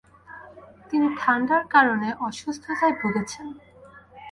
তিনি ঠান্ডার কারণে অসুস্থতায় ভুগেছেন।